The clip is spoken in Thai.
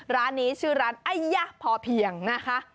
ร้านนี้ชื่อร้านไอยะพอเพียงนะคะ